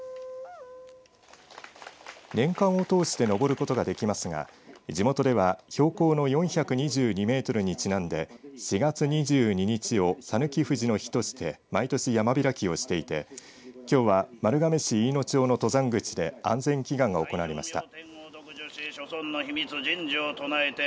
年間を通して登ることができますが地元では標高の４２２メートルにちなんで４月２２日を讃岐富士の日として毎年山開きをしていてきょうは丸亀市飯野町の登山口で安全祈願が行われました。